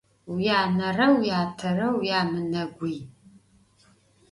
Vuyanere vuyatere vuyamıneguy.